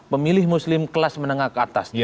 pemilih muslim kelas menengah ke atas